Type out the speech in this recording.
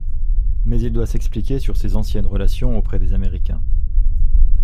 Mais il doit s’expliquer sur ses anciennes relations auprès des américains.